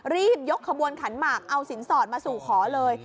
รีบยกขบวนขันหมากเอาสินสอดมาสู่ขอเลย